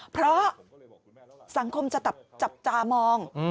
เพราะสังคมจะจับตามอง